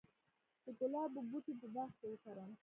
د ګلابو بوټي په باغ کې وکرم؟